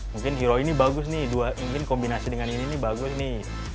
mungkin hero ini bagus nih mungkin kombinasi dengan ini nih bagus nih